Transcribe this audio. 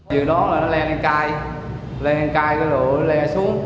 giờ đó là nó le lên cai le lên cai cái đồ nó le xuống